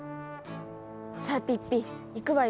さあピッピ行くわよ。